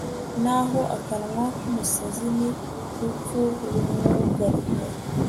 naho akanwa k'umusazi, ni rwo rupfu rumwugarije